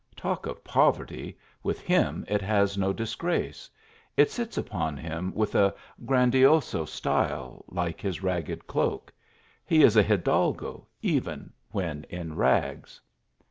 Talk of poverty, with him it has no disgrace. It sits upon him with a grandioso style, like his ragged cloak. He is a hidalgo even when in rags.